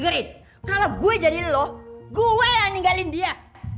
ngerit kalau gue jadi lu gue yang ninggalin dia